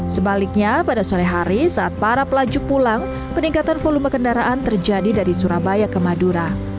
sebaliknya pada sore hari saat para pelaju pulang peningkatan volume kendaraan terjadi dari surabaya ke madura